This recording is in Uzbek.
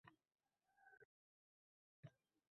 Boshqacha qilib aytganda